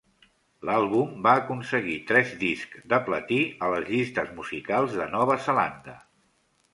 L'àlbum va aconseguir tres discs de platí a les llistes musicals de Nova Zelanda.